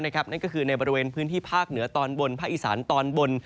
นั่นก็คือในบริเวณพื้นที่ภาคเหนือตอนบนภาคอีสานตอนบน